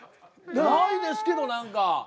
ないですけど何か。